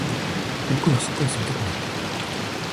寝袋はすっかり冷たくなっていた